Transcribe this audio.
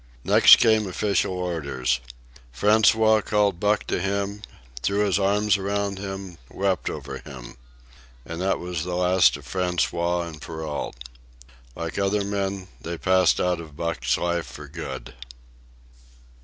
Next came official orders. François called Buck to him, threw his arms around him, wept over him. And that was the last of François and Perrault. Like other men, they passed out of Buck's life for good.